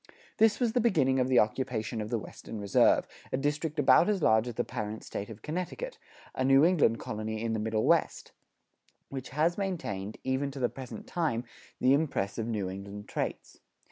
This was the beginning of the occupation of the Western Reserve, a district about as large as the parent State of Connecticut, a New England colony in the Middle West, which has maintained, even to the present time, the impress of New England traits.